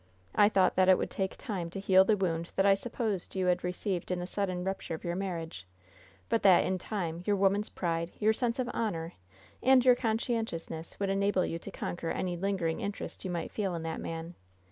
I thought that it would take time to heal the wound that I supposed you had received in the sudden rupture of your marriage; but that, in time, your woman's pride, your sense of honor and your conscientiousness would enable you to conquer any lingering interest you might feel in that man.